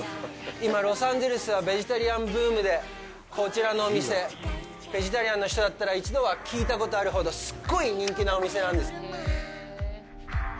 今、ロサンゼルスはベジタリアンブームで、こちらのお店、ベジタリアンの人だったら一度は聞いたことがあるほど、すごい人気なお店なんです。